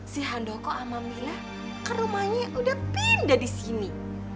si handoko sama mila ke rumahnya udah pindah di sini